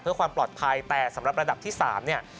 เพื่อความปลอดภัยแต่สำหรับระดับที่๓เนี่ย